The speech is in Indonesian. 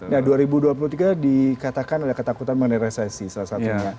nah dua ribu dua puluh tiga dikatakan ada ketakutan mengenai resesi salah satunya